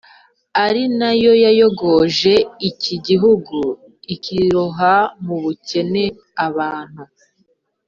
ari na yo yayogoje iki gihugu ikiroha mu bukene, abantu